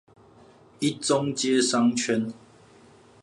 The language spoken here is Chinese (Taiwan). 一中街商圈